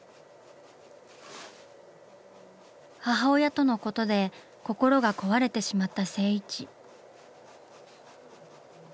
母親とのことで心が壊れてしまった静一。